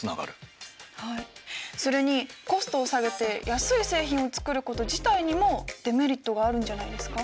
それにコストを下げて安い製品を作ること自体にもデメリットがあるんじゃないですか？